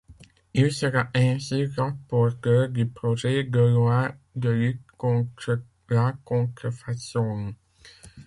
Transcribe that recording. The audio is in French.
Il sera ainsi rapporteur du projet de loi de lutte contre la contrefaçon.